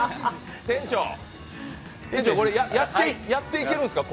店長、やっていけるんですか